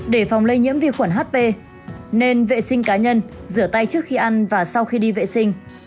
để phòng lây nhiễm vi khuẩn hp nên vệ sinh cá nhân rửa tay trước khi ăn và sau khi đi vệ sinh